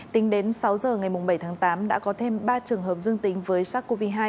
tính đến sáu giờ ngày bảy tháng tám đã có thêm ba trường hợp dương tính với sars cov hai